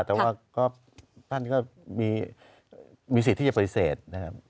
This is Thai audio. แต่ว่าท่านก็มีสิทธิ์ที่จะปฏิเสธนะครับ